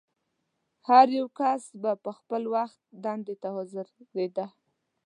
هر یو کس به پر خپل وخت دندې ته حاضرېده.